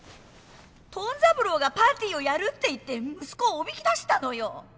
トン三郎がパーティーをやるって言って息子をおびき出したのよ。